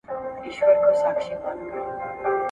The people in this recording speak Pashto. پرمختللو هيوادونو له پيړيو راهيسې تکنالوژي پراخه کړې وه.